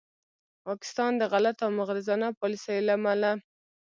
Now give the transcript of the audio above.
پاکستان د غلطو او مغرضانه پالیسیو له امله